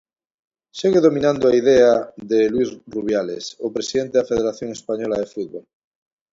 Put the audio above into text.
Segue dominando a idea de Luís Rubiales, o presidente da Federación Española de Fútbol.